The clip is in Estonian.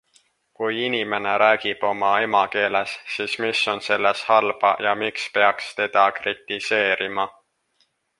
Kui inimene räägib oma emakeeles, siis mis on selles halba ja miks peaks teda kritiseerima?